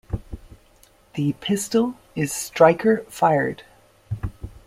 The pistol is striker fired.